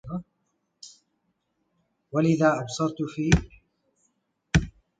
ولذا أبصرت في أسمالها